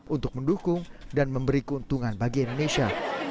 untuk mendukung dan memberi keuntungan bagi indonesia